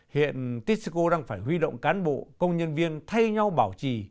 hiện tysco đang phải huy động cán bộ công nhân viên thay nhau bảo trì